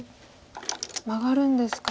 マガるんですか。